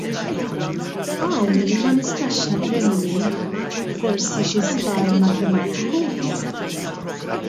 Hawn ma nistax nifhem jien; forsi xi żball matematiku?